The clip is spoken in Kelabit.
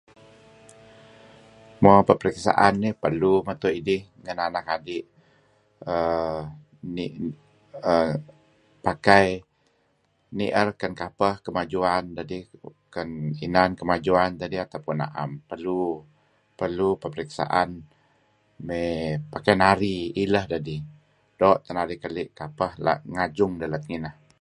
Mo, peperiksa'an nih perlu meto' idih ngen anak adi' {er] pakai ni'er ken kapeh kemajuan dedih kan inan kemajuan deh atau na'em. Perlu peperiksaan pakai nari ileh dedih doo' teh narih keli' ken kapeh la' ngajung deh let ngineh.